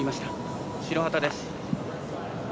白旗です。